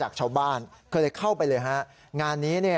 พระขู่คนที่เข้าไปคุยกับพระรูปนี้